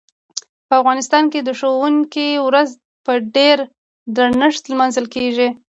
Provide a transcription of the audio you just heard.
په افغانستان کې د ښوونکي ورځ په ډیر درنښت لمانځل کیږي.